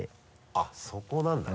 あっそこなんだね。